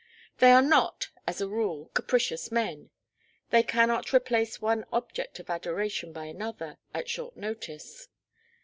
They are not, as a rule, capricious men. They cannot replace one object of adoration by another, at short notice.